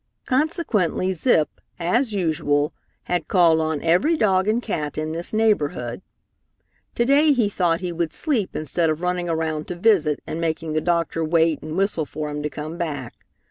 Consequently Zip, as usual, had called on every dog and cat in this neighborhood. To day he thought he would sleep instead of running around to visit and making the doctor wait and whistle for him to come back.